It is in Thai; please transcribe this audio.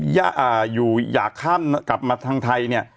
อยู่อย่าข้ามกลับมาทางไทยเนี่ย